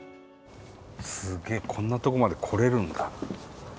すげえこんなとこまで来れるんだ。